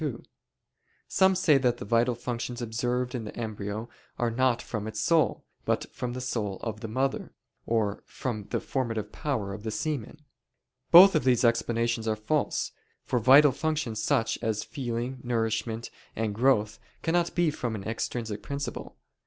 2: Some say that the vital functions observed in the embryo are not from its soul, but from the soul of the mother; or from the formative power of the semen. Both of these explanations are false; for vital functions such as feeling, nourishment, and growth cannot be from an extrinsic principle.